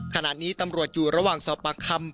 ขณะนี้ตำรวจอยู่ระหว่างสอบปากคำ